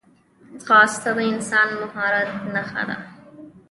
ځغاسته د انسان د مهارت نښه ده